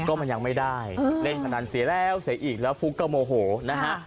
ก็มันยังไม่ได้เล่นพนันเสียแล้วเสียอีกแล้วฟุ๊กก็โมโหนะฮะ